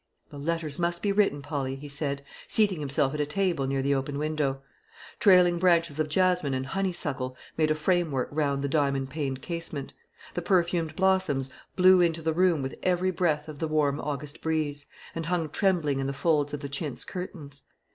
"The letters must be written, Polly," he said, seating himself at a table near the open window. Trailing branches of jasmine and honeysuckle made a framework round the diamond paned casement; the perfumed blossoms blew into the room with every breath of the warm August breeze, and hung trembling in the folds of the chintz curtains.